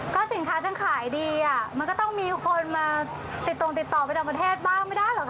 ก็สินค้าทั้งขายดีมันก็ต้องมีคนมาติดต่อไปเต่าประเทศบ้างไม่ได้หรือคะ